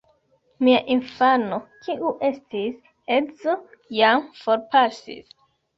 Mia infano, kiu estis edzo, jam forpasis.